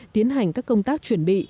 tiến hành các công tác chuẩn bị